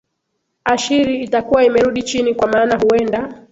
ashiri itakuwa imerudi chini kwa maana huenda